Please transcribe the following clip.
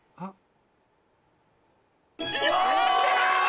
よっしゃ！